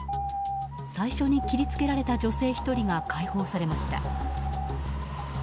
最初に切りつけられた女性１人が解放されました。